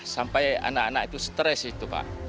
sampai anak anak itu stres itu pak